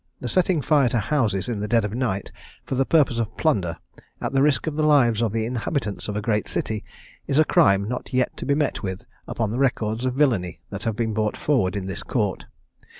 The setting fire to houses in the dead of night, for the purpose of plunder, at the risk of the lives of the inhabitants of a great city, is a crime not yet to be met with upon the records of villany that have been brought forward in this court.